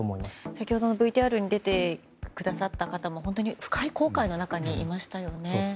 先ほどのＶＴＲに出てくださった方も深い後悔の中にいましたよね。